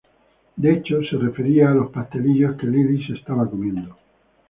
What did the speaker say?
De hecho, se refería a los pastelitos que Lily se estaba comiendo.